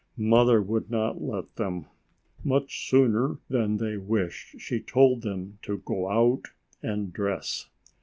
Mother would not let them. Much sooner than they wished, she told them to go out and dress.